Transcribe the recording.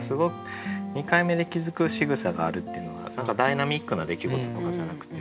「二回目で気づく仕草がある」っていうのがダイナミックな出来事とかじゃなくて。